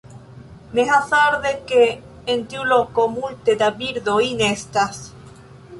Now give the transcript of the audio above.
Ne hazarde, ke en tiu loko multe da birdoj nestas.